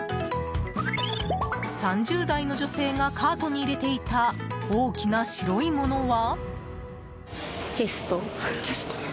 ３０代の女性がカートに入れていた大きな白いものは。